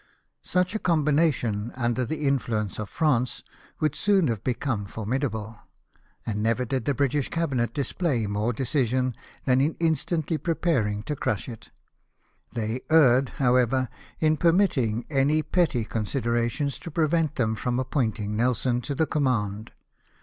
Such a combination, under the influence of France, would soon have become formidable ; and never did the British Cabinet display more decision than in instantly prejDaring to crush it. They erred, however, in permitting any petty consideration to prevent them from appointing Nelson to the com mand.